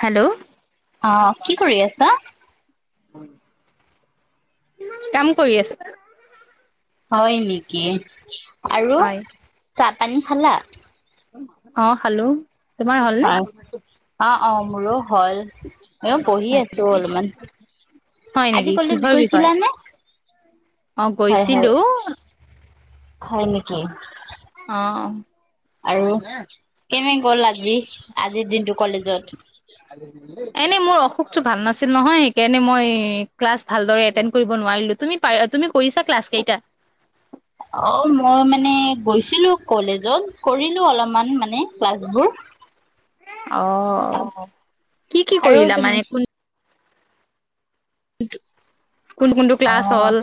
Hello. অ কি কৰি আছা কাম কৰি আছ হয় নেকি আৰু হয়, চাহ পানী খালা? অ খালো। তোমাৰ হয় হ'লনে? অ অ মোৰো হ'ল। এ বহি আছো অলপমান, হয় আজি নেকি? কলেজ কিহৰ বিষয়? গৈছিলা নে? অ হয় গৈছিলো। হয়, হয় নেকি? অ। আৰু কেনে গ'ল আজি? আজিৰ দিনটো কলেজত? [inaudible] এনে মোৰ অসুখটো ভাল নাছিল নহয় সেইকাৰণে মই ক্লাছ ভালৰে এটেণ্ড কৰিব নোৱাৰিলো। তুমি [unintelligible] তুমি কৰিছা ক্লাছ কেইটা? অ মই মানে গৈছিলো কলেজত কৰিলো অলপমান মানে ক্লাছবোৰ। অ অ কি কি আৰু কৰিলা তুমি মানে কোন কোনটো কোনটো ক্লাছ অ হ'ল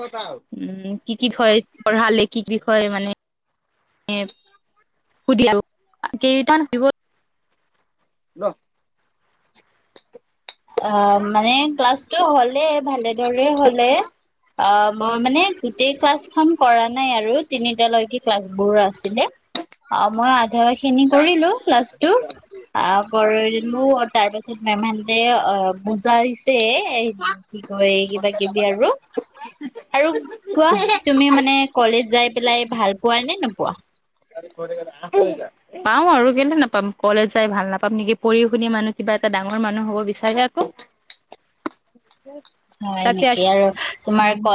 উম কি কি বিষয় পঢ়ালে কি বিষয় মানে [unintelligible] [inaudible] অ মানে ক্লাছ হ'লে ভালে ধৰে হ'লে অ মই মানে গোটেই ক্লাছ প্ৰথম কৰা নাই আৰু তিনিটালৈকে ক্লাছ বোৰ আছিলে। অ মই আধা খিনি কৰিলো ক্লাছটো আহ কৰিলো তাৰ পাছত মেমহতে অ বুজাই ছে কি কয় কিবা কিবি আৰু। আৰু কোৱা তুমি মানে কলেজ যাই পেলাই ভাল পোৱা নে নোপোৱা? [unintelligible] পাওঁ আৰু কেলে নাপাম কলেজ যাই ভাল নাপাম নেকি, পঢ়ি শুন মানুহ কিবা এটা ডাঙৰ মানুহ হ'ব বিচাৰে আকৌ। [unintelligible] [unintelligible] হয় তাতে নেকি আৰু তোমাৰ ক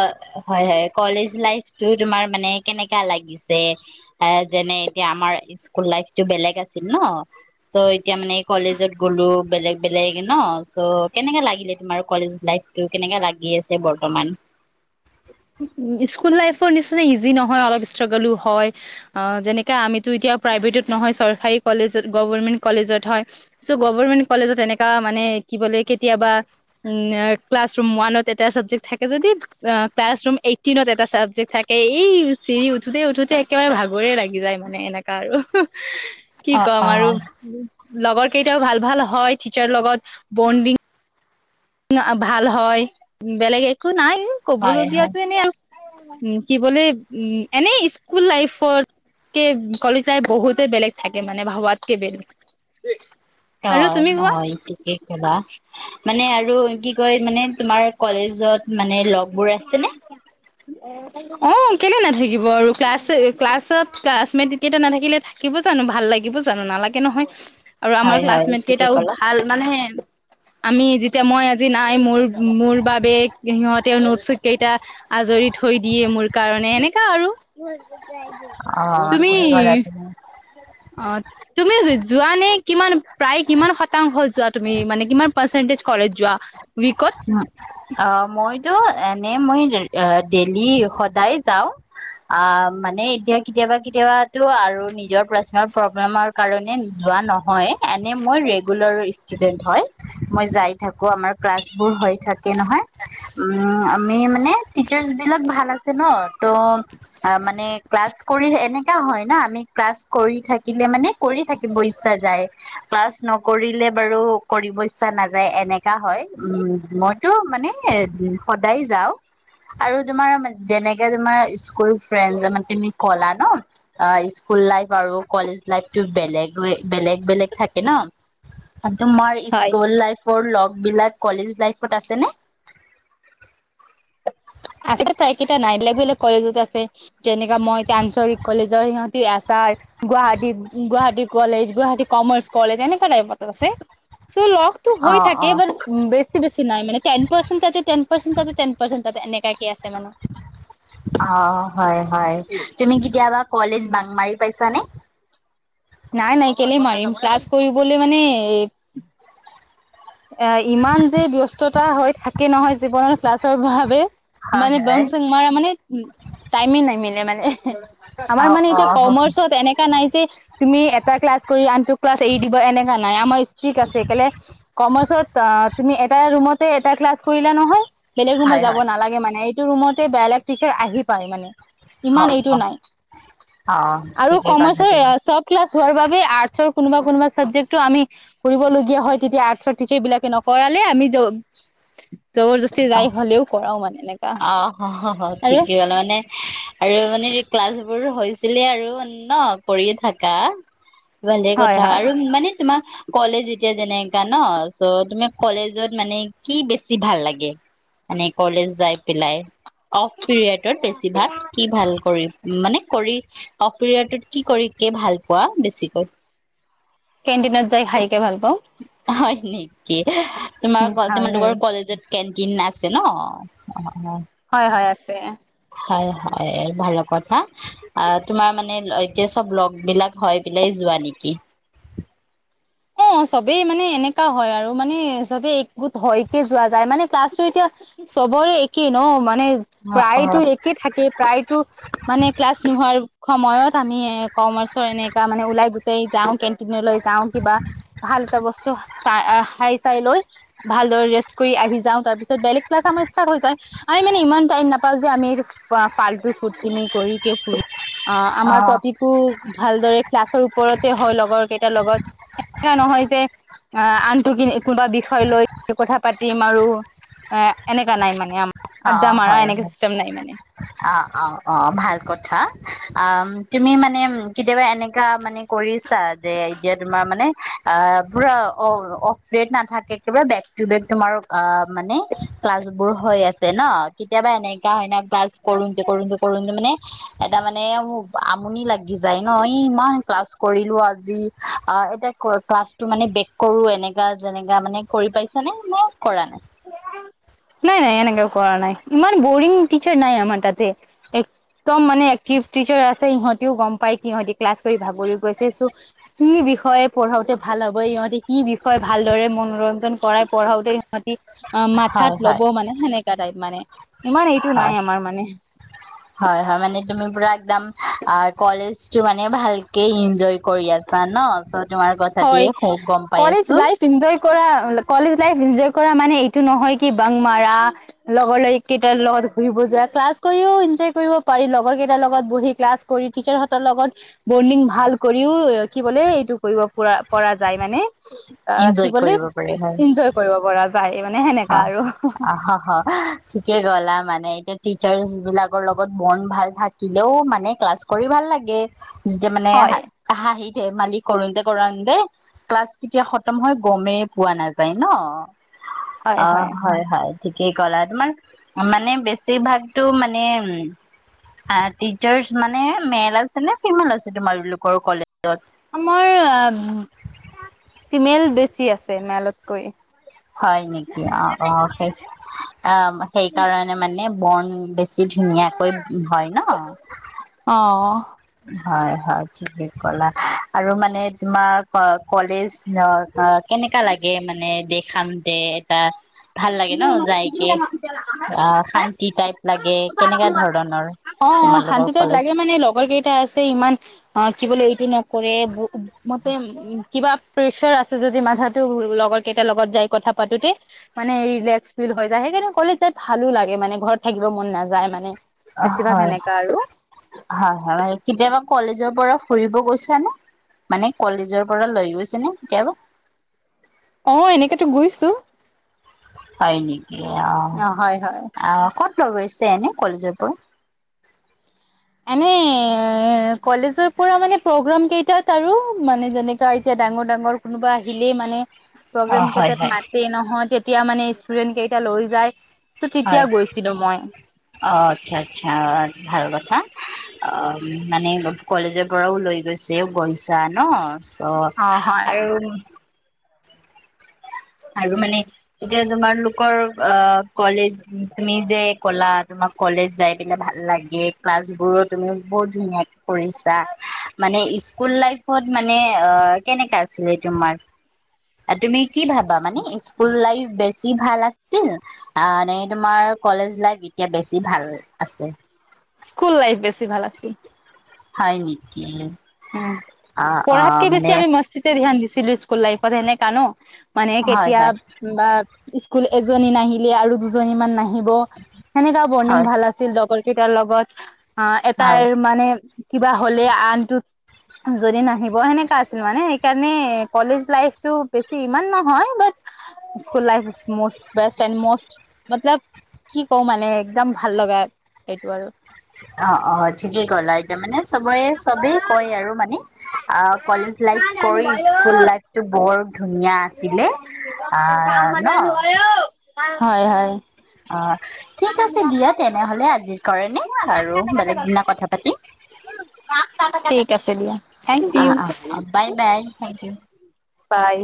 হয় হয় কলেজ লাইফটো তোমাৰ মানে কেনেকা লাগিছে? এ যেনে এতিয়া আমাৰ স্কুল লাইফটো বেলেগ আছিল ন। চ' এতিয়া মানে কলেজত গ'লো বেলেগ বেলেগ ন চ' কেনেকে লাগিলে তোমাৰ কলেজত লাইফ? টো কেনেকে লাগি আছে বৰ্তমান? উ স্কুল লাইফৰ নিচিনা ইজি নহয় অলপ ষ্ট্ৰাগলো হয়। অ যেনেকে আমিতো এতিয়া প্ৰাইভেটত নহয় চৰকাৰী কলেজত গভমেন্ট কলেজত হয়। চ' গভমেন্ট কলেজত এনেকা মানে কি বোলে কেতিয়াবা উম ক্লাছ ৰুম ওৱানত এটা চাবজেক্ট থাকে যদি ক্লাছ ৰুম এইতটিনত এটা চাবজেক্ট থাকে, এই চিৰি উঠোতে- উঠোতে একেবাৰে ভাগৰে লাগি যায় মানে এনেকে। কা আৰু। কি অ ক'ম অ আৰু, উম, লগৰ কেইটাও ভাল- ভাল হয় টিচাৰ লগত বণ্ডিং। ভাল হয়। বেলেগ একো নাই, হয় হয় ক'বলগীয়াতো এনে। উম কি বোলে উম, এনে স্কুল লাইফৰ কে, কলেজ যায় বহুতে বেলেগ থাকে মানে, ভাবাতকে বেলেগ। অ, আৰু তুমি কোৱা হয়টো। কি কলা? মানে আৰু কি কয় মানে তোমাৰ কলেজত মানে লগবোৰ আছে নে [unintelligible] অ, কেলেই নাথাকিব আৰু, ক্লাছ- ক্লাছত ক্লাছমেট এতিয়া নাথাকিলে থাকিব জানো। ভাল লাগিব জানো নালাগে নহয়। আৰু আমাৰ হয় হয় ক্লাছমেট ঠিকে কেইটাও ক'লা ভাল। মানে, আমি যেতিয়া মই আজি নাই, মোৰ- মোৰ বাবে সিহঁত কেইটা আজৰি থৈ দিয়ে, মোৰ কাৰণে এনেকা আৰু। অ তুমি ঠিকে ক'লা তুমি অ, তুমি যোৱা নে কিমান, প্ৰায় কিমান শতাংশ যোৱা। তুমি মানে কিমান পাৰ্চেন্টেজ কলেজ যোৱা উইকত? অ, মইতো এনে মই দেলি, সদায় যাওঁ। অ, মানে এতিয়া কেতিয়াবা- কেতিয়াবাতো আৰু নিজৰ প্ৰাৰ্চনেল প্ৰব্লেমৰ কাৰণে যোৱা নহয়। এনে মই ৰেগুলাৰ ষ্টুডেন্ট হয়। মই যাই থাকো। আমাৰ ক্লাছ বোৰ হৈ থাকে নহয়। উম, আমি মানে টিচাৰ্চ বিলাক ভাল আছে ন। তো অ, মানে ক্লাছ কৰি এনেকা হয় ন। আমি ক্লাছ কৰি থাকিলে মানে কৰি থাকিব ইচ্ছা যায়। ক্লাছ নকৰিলে বাৰু কৰিব ইচ্ছা নাযায়। এনেকা হয়। উম, মই টো মানে সদায় যাওঁ। আৰু তোমাৰ যেনেকে তোমাৰ স্কুল ফ্ৰেড মানে তুমি ক'লা ন। অ, স্কুল লাইফ আৰু কলেজ লাইফতটো বেলেগ। বেলেগ বেলেগ থাকে ন। তোমাৰ হয় স্কুল লাইফৰ লগ বিলাক কলেজ লাইফত আছেনে? আছে প্ৰায়কেইটা নাই, বেলেগ- বেলেগ কলেজত আছে। যেনেকা মই এতিয়া আঞ্চলিক কলেজৰ, সিহঁতি এছাৰ। Guwahati- Guwahati college, Guwahati commerce college, এনেকুৱা টাইপত আছে। চ', লগটো অ হৈ অ থাকে, বাট বেছি- বেছি নাই, মানে টেন পাৰচেন্ত তাতে, টেন পাৰ্চেন্ত তাতে, টেন পাৰ্চেন্ত তাতে, এনেুৱাকে আছে। মানে। অ, হয়- হয় তুমি কেতিয়াবা কলেজ বাং মাৰি পাইছানে? নাই- নাই, কেলে মাৰিম। ক্লাছ কৰিবলৈ মানে এ ইমান যে ব্যস্ততা হৈ থাকে নহয় জীৱনত ক্লাছৰ বাবে। হয় মানে হয়। বং- চং মৰা মানে টাইমে নাই মিলে মানে, আমাৰ অ' মানে এতিয়া অ' কমাৰ্চত এনে নাই যে, তুমি এটা ক্লাছ কৰি আনটো ক্লাছ এৰি দিব। এনেকা নাই আমাৰ ষ্ট্ৰিক্ট আছে। কেলে কমাৰ্চত অ, তুমি এটা ৰৰুমতে এটা ক্লাছ কৰিলে নহয়, বেলেগ ৰুমত হয় যাব হয় নালাগে মানে। ৰুমতে বেলেগ টিচাৰ আহি পায়, মানে। ইমান অ' এইটো অ' নাই। অ' আৰু ঠিকেই ক'লা কমাৰ্চৰ তুমি। চব ক্লাছ হোৱাৰ বাবে আৰ্টচৰ কোনোবা- কোনোবা চাবজেক্টটো আমি কৰিবলগীয়া হয়। তেতিয়া টিছাৰ বিলাকে নকৰালে, আমি জবৰদস্তি অ, যাই হলেও কৰাও মানে এনেকা অ, আৰে ঠিকেই হ'ল মানে আৰু মানে। ক্লাছ বোৰ হৈছিলে আৰু ন, কৰিয়ে থাকা। ভালে হয় কথা হয় আৰু মানে তোমাৰ কলেজ এতিয়া যেনেকা ন, চ তুমি কলেজত মানে কি বেছি ভাল লাগে? মানে কলেজ যাই পেলাই, অফ পিৰিয়ডত বেছিভাগ কি ভাল কৰিম? মানে কৰি অফ পিৰিয়ডত কি কৰি কে ভাল পোৱা বেছিকৈ? কেণ্টিনত যাই খাইকে ভাল পাওঁ। হয় নেকি? তোমাৰ ঘ হয় হয় তোমালোকৰ কলেজত কেণ্টিন আছে ন? অ'। হয় হয় আছে। হয় হয় ভাল কথা, আ তোমাৰ মানে এতিয়া চব লগ বিলাক হয় পেলাই যোৱা নেকি? অ', চবেই মানে এনেকা হয় আৰু মানে চবে একগোট হয়কে যোৱা যায় মানে ক্লাছো এতিয়া চবৰে একেই ন, মানে অ অ প্ৰায়তো একে থাকেই, প্ৰায়তো মানে ক্লাছ নোহোৱাৰ সময়ত আমি কমাৰ্চৰ এনেকা মানে ওলাই যাওঁ কেনটিনলৈ যাওঁ কিবা ভাল এটা বস্তু চাই খাই চাই লৈ। ভালদৰে ৰেষ্ট কৰি আহি যাওঁ তাৰ পিছত বেলেগ ক্লাছ আাৰ ষ্টাৰ্ট হৈ যায়। আমি মানে ইমান টাইম নাপাও যে আমি ফাল্টটো ফূৰ্তি মি কৰি কিয় ফুৰোঁ অ', আমাৰ টপিকো ভালদৰে ক্লাছৰ ওপৰতে হয় লগৰ কেইটাৰ লগত। এনেকা নহয় যে আহ আনটো কি কোনোবা বিষয় লৈ কথা পাতিম আৰু এ এনেকা নাই মানে আম, অ আড্ডা মাৰা হয় এনেকাে হয় চিষ্টেম নাই মানে। অ', অ', অ', ভাল কথা, আ তুমি মানে কেতিয়াবা এনেকা মানে কৰিছা যে এতিয়া তোমাৰ মানে অ', পুৰা অ অফ দেট নাথাকে কিবা বেক তোমাৰ অ', মানে ক্লাছ বোৰ হৈ আছে। ন কেতিয়াবা এনেকা হয় ন, ক্লাছ কৰোন্তে কৰোন্তে কৰোন্তে মানে এটা মানে আমনি লাগি যায় ন, এ ইমান ক্লাছ কৰিলোঁ আজি অ', এতিয়া ক্লাছটো মানে ব্ৰেক কৰোঁ এনেকা যেনেকা মানে কৰি পাইছা নে, মই কৰা নাই। নাই নাই এনেকা কৰা নাই, ইমান বৰিং টিচাৰ নাই আমাৰ তাতে, এক একদম মানে এক্টিভ টিচাৰ আছে, ইিহঁতেও গম পাই কি ইহতি ক্লাছ কৰি ভাগৰি গৈছে চ' কি বিষয়ে পঢ়াওঁতে ভাল হ'ব, ইহঁতে কি বিষয়ে ভালদৰে মনোৰঞ্জন কৰাই পঢ়াঁওতে অ', হয় মাথাত ল'ব হয় মানে সেনেকা টাইপ মানে, ইমান এইটো হয় নাই আমাৰ মানে। হয় হয় মানে তুমি পুৰা একদম কলেজটো মানে ভালকে ইঞ্জয় কৰি আছা ন? চ' তোমাৰ কথা দিয়ে খুব গম পাই আছোঁ। ইঞ্জয় কৰা কলেজ লাইফ ইঞ্জয় কৰা মানে এইটো নহয় কি বাং মাৰা লগৰ ল কেইটাৰ লগত ঘুৰিব যোৱা, ক্লাছ কৰিও ইঞ্জয় কৰিব পাৰি লগৰ কেইটাৰ লগত বহি ক্লাছ কৰি টিচাৰ হঁতৰ লগত বণ্ডিং ভাল কৰিও কি বোলে এইটো কৰিব পৰা, পৰা যায় মানে কি ইনজয় বুলি কৰিব পাৰি হয় ইঞ্জয় কৰিব পৰা যায় মানে সেনেকা আৰু হ হ। ঠিকে গ'লা মানে এতিয়া টিছাৰ্জ বিলাকৰ লগত বণ্ড ভাল থাকিলেও মানে ক্লাছ কৰি ভাল লাগে। যেতিয়া মানে হয় হা হাঁহি ধেমালি কৰোন্তে কৰোন্তে ক্লাছ কেতিয়া খতম হয় গমেই পোৱা নাযায় ন? অ', হয় হয় ঠিকেই ক'লা, তোমাৰ মানে বেছিভাগতো মানে উম আ টিচাৰ্চ মানে মেল আছে নে ফিমেল আছে তোমালোকৰ কলেজত? আমাৰ ফিমেল বেছি আছে মেলতকৈ। হয় নেকি? অ অ সেই- অ সেই কাৰণে মানে বন বেছি ধুনীয়াকৈ হয় ন। অ' হয় হয় ঠিকে কলা। আৰু মানে তোমাৰ কলেজ- ধ অ কেনেকা লাগে মানে দেখাম যে এটা- ভাল লাগে ন যাইকে? অ শান্তি টাইপ- লাগে কেনেকা ধৰণৰ অ শান্তি তোমালোকৰ টাইপ লাগে কলেজ? মানে লগৰকেই- টা আছে ইমান অ কি বোলে এইটো নকৰে মতে- উ কিবা প্ৰেচাৰ আছে যদি মাথাতো লগৰ কেইটাৰ লগত যাই কথা পাতোতে। মানে ৰিলেক্স ফিল হৈ যায় সেইকাৰণে কলেজ যায় ভালো লাগে মানে ঘৰত থাকিব মন নাযায় মানে। বেছিভাগ হয় সেনেকা আৰু হয় হয় কেতিয়াবা কলেজৰ পৰা ফুৰিব গৈছানে? মানে কলেজৰ পৰা লৈ গৈছে নে কেতিয়াবা? অ এনেকেতো গৈছোঁ। হয় নেকি অ হয় হয় অহ। ক'ত লৈ গৈছে এনে কলেজৰ পৰা? এনে কলেজৰ পৰা মানে প্ৰগ্ৰাম কেইটাত আৰু মানে যেনেকা এতিয়া ডাঙৰ ডাঙৰ- কোনোবা আহিলেই মানে- প্ৰগ্ৰেম অ' হয় কেইটাত হয় মাতেই নহয় তেতিয়া মানে ষ্টুডেন্ট কেইটা লৈ যায়। তেতিয়া হয় গৈছিলো মই অ আচ্ছা আচ্ছা ভাল কথা। অ' মানে কলেজৰ পৰাও লৈ গৈছে গৈছা ন? চ অ হয় আৰু- আৰু মানে এতিয়া তোমালোকৰ অ কলেজ তুমি যে- কলা তোমাৰ কলেজ যায় পিনে ভাল লাগে ক্লাছ বোৰো তুমি বহুত ধুনীয়া- কৰিছা। মানে স্কুল লাইফ- ত মানে অ কেনেকা আছিলে তোমাৰ তুমি কি ভাবা? মানে স্কুল লাইফ বেছি ভাল আছিল- আ' মানে তোমাৰ কলেজ লাইফ এতিয়া বেছি ভাল আছে? স্কুল লাইফ বেছি ভাল আছিল। হয় নেকি? উম অ অ পঢ়াতকে বেছি মানে আমি মস্তিতে ধ্যান দিছিলো স্কুল লাইফত সেনেকা ন। মানে হয় কেতিয়া হয় বা- স্কুল এজনী নাহিলে আৰু দুজনী মান নাহিব সেনেকা বন্দিং হয় ভাল আ- আছিল লগৰ কেইটাৰ লগত। অ এটাৰ হয় মানে কিবা হ'লে আনটো- যদি নাহিব সেনেকা আছিল মানে। সেইকাৰণে কলেজ লাইফটো বেছি ইমান নহয় but- school life is most best and most মতলব- কি কওঁ মানে একদম ভাল লগা এইটো আৰু। অ অ ঠিকেই ক'লা এতিয়া মানে চবে চবেই কয় আৰু মানে। আ- কলেজ লাইফ কৰি স্কুল লাইফ টো বৰ ধুনীয়া আছিলে। পান আহ ন বজাৰ নহয় অ। হয় হয়। অ ঠিক আছে দিয়া তেনেহ'লে আজিৰ কাৰনে আৰু বেলেগ দিনা কথা পাতিম। ঠিক আছে দিয়া। Thank oh, you oh, bye, bye thank you. By.